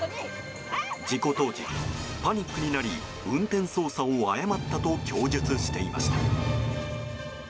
事故当時、パニックになり運転操作を誤ったと供述していました。